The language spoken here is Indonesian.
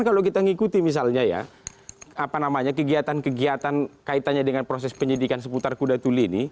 kalau kita ngikuti misalnya ya kegiatan kegiatan kaitannya dengan proses penyidikan seputar kudatuli ini